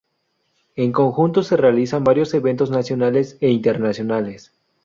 En conjunto se realizan varios eventos nacionales e internacionales.